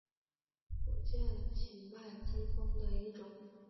福建畸脉姬蜂的一种。